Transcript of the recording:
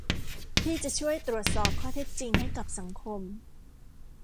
ที่จะช่วยตรวจสอบข้อเท็จจริงให้กับสังคม